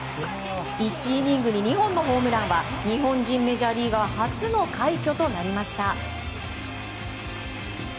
１イニング２本のホームランは日本人メジャーリーガー初の快挙となりました。